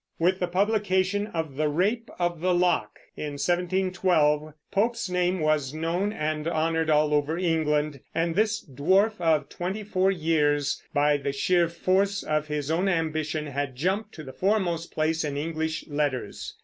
With the publication of the Rape of the Lock, in 1712, Pope's name was known and honored all over England, and this dwarf of twenty four years, by the sheer force of his own ambition, had jumped to the foremost place in English letters.